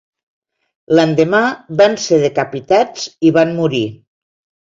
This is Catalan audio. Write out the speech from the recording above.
L'endemà, van ser decapitats i van morir.